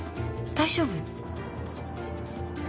大丈夫？